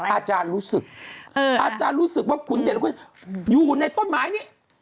อาจารย์รู้สึกอาจารย์รู้สึกว่าขุนเดชและขุนจันทร์อยู่ในต้นไม้นี่